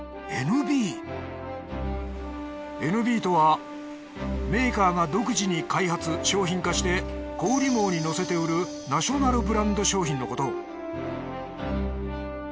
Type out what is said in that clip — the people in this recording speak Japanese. ＮＢとはメーカーが独自に開発商品化して小売り網に乗せて売るナショナルブランド商品のこと